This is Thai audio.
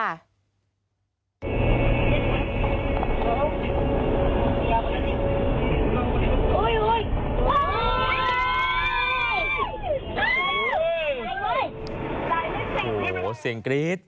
โอ้โหเสียงกรี๊ด